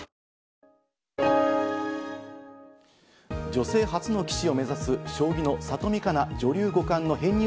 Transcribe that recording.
女性初の棋士を目指す将棋の里見香奈女流五冠の編入